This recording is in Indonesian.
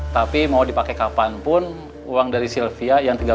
tapi mau dipakai kapanpun uang dari silvia yang tiga puluh juta